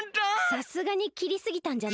さすがにきりすぎたんじゃない？